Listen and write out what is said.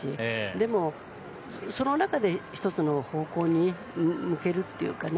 でも、その中で１つの方向に向けるというかね。